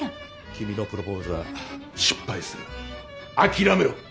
君のプロポーズは失敗する諦めろ！